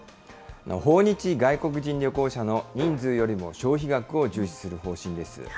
訪日外国人旅行者の人数よりも消費額を重視する方針です。